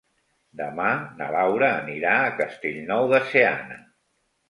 Demà na Laura anirà a Castellnou de Seana.